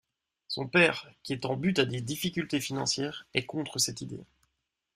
Son père, qui est en butte à des difficultés financières, est contre cette idée.